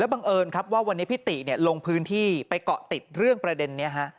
บังเอิญครับว่าวันนี้พิติลงพื้นที่ไปเกาะติดเรื่องประเด็นนี้